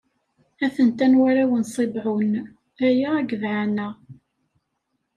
A-ten-an warraw n Ṣibɛun: Aya akked Ɛana.